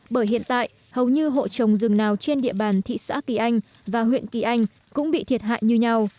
bởi hiện tại hầu như hộ trồng rừng nào trên địa bàn thị xã kỳ anh và huyện kỳ anh cũng bị thiệt hại như nhau